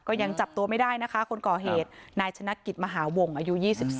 ยังจับตัวไม่ได้นะคะคนก่อเหตุนายชนะกิจมหาวงอายุ๒๒